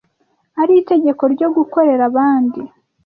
ari itegeko ryo gukorera abandi.